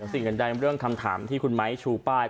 สิ่งอื่นใดเรื่องคำถามที่คุณไม้ชูป้าย